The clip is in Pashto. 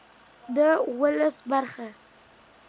د اولس برخه `